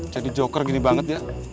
jadi joker gini banget ya